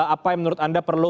apa yang menurut anda perlu